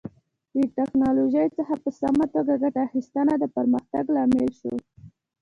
له ټکنالوژۍ څخه په سمه توګه ګټه اخیستنه د پرمختګ لامل شو.